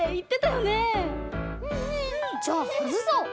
じゃあはずそう！